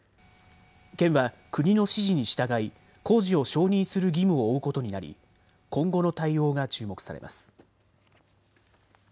県は国の指示に従い工事を承認する義務を負うことになり今後の対応が注目されます。